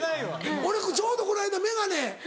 俺ちょうどこの間眼鏡。